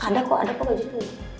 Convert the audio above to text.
gak ada kok ada kok bajunya